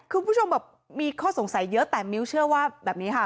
คุณผู้ชมแบบมีข้อสงสัยเยอะแต่มิ้วเชื่อว่าแบบนี้ค่ะ